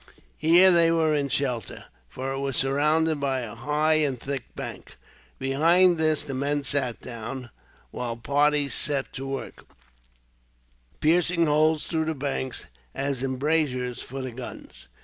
Here they were in shelter, for it was surrounded by a high and thick bank. Behind this the men sat down, while parties set to work, piercing holes through the banks as embrasures for the guns.